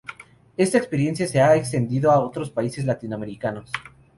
Esta experiencia se ha extendido a otros países latinoamericanos.